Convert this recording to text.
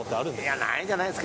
ないんじゃないですか。